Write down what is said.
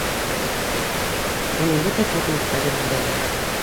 Уның бөтә координаттары билдәле